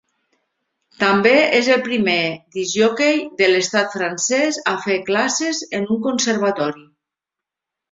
També és el primer discjòquei de l'estat francès a fer classes en un conservatori.